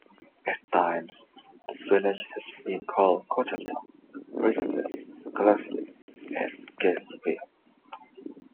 At times, the village has been called Cocheltown, Reeseville, Glassley and Gaysville.